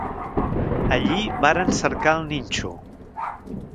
Allí varen cercar el ninxo